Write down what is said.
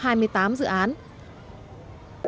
chỉ có một công trình xây dựng không phép